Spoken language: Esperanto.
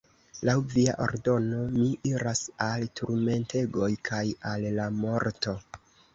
Laŭ via ordono mi iras al turmentegoj kaj al la morto!